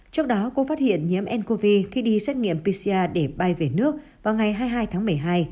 trước đó cô phát hiện nhiễm ncov khi đi xét nghiệm pcr để bay về nước vào ngày hai mươi hai tháng một mươi hai